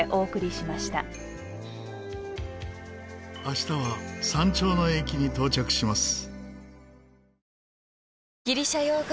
明日は山頂の駅に到着します。